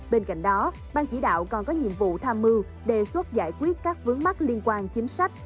bên cạnh đó ban chỉ đạo còn có nhiệm vụ tham mưu đề xuất giải quyết các vướng mắt liên quan chính sách